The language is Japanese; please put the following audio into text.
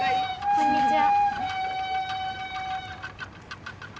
こんにちは。